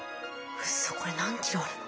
うそこれ何キロあるの？